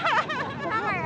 senang banget ya